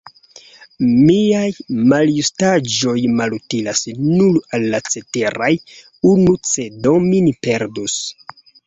Miaj maljustaĵoj malutilas nur al la ceteraj; unu cedo min perdus.